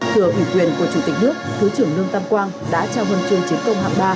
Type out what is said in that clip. thừa biểu quyền của chủ tịch nước thứ trưởng lương tâm quang đã trao hân chương chiến công hạm ba